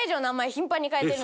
頻繁に変えてるんです。